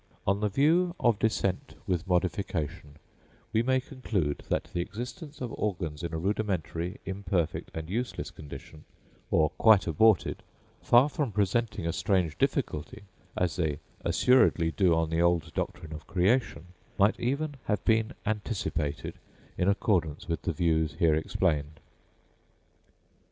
On the view of descent with modification, we may conclude that the existence of organs in a rudimentary, imperfect, and useless condition, or quite aborted, far from presenting a strange difficulty, as they assuredly do on the old doctrine of creation, might even have been anticipated in accordance with the views here explained.